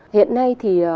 hiện nay thì